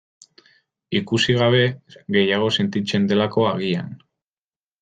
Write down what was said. Ikusi gabe gehiago sentitzen delako, agian.